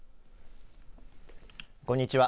こんにちは。